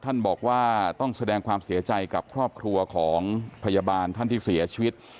ท่านบอกว่าต้องแสดงความเสียใจกับครอบครัวของพยาบาลท่านที่เสียชีวิต